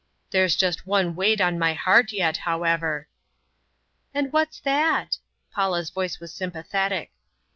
"There's just one weight on my heart yet, however." "And what's that?" Paula's voice was sympathetic.